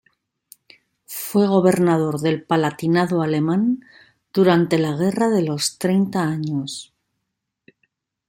Fue gobernador del Palatinado alemán durante la Guerra de los Treinta Años.